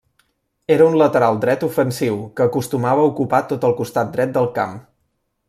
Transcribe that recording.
Era un lateral dret ofensiu, que acostumava a ocupar tot el costat dret del camp.